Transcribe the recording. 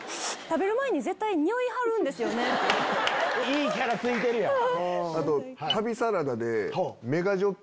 いいキャラついてるやん。